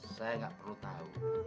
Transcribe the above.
saya gak perlu tau